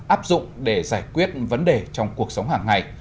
áp dụng để giải quyết vấn đề trong cuộc sống hàng ngày